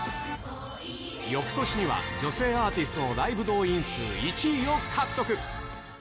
よくとしには、女性アーティストのライブ動員数１位を獲得。